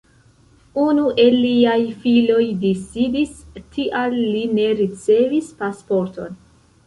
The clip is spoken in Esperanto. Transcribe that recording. Unu el liaj filoj disidis, tial li ne ricevis pasporton.